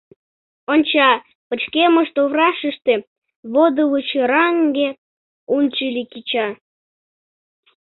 Онча, пычкемыш туврашыште водывычыраҥге унчыли кеча.